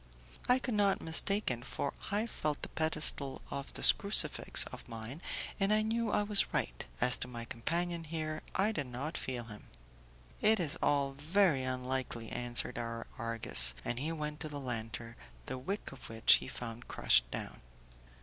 "I could not be mistaken, for I felt the pedestal of this crucifix of mine, and I knew I was right; as to my companion here, I did not feel him." "It is all very unlikely," answered our Argus; and he went to the lantern, the wick of which he found crushed down.